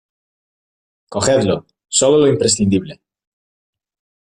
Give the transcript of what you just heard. cogedlo ; solo lo imprescindible.